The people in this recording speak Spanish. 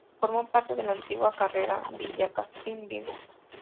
Formó parte de la antigua carretera Villacastín-Vigo.